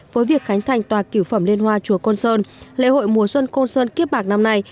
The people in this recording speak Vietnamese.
với việc khánh thành tòa kiểu phẩm liên hoa chúa côn sơn lễ hội mùa xuân côn sơn kiếp bạc năm nay